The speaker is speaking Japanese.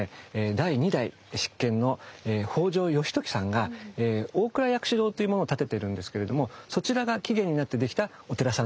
第二代執権の北条義時さんが大倉薬師堂というものを建ててるんですけれどもそちらが起源になって出来たお寺さんなんですね。